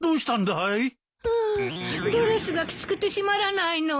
ドレスがきつくてしまらないの。